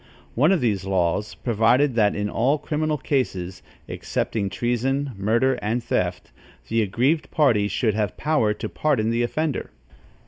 One of these laws provided that in all criminal cases, excepting treason, murder and theft, the aggrieved party should have power to pardon the offender.